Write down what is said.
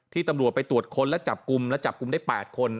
ตำรวจไปตรวจค้นและจับกลุ่มและจับกลุ่มได้๘คน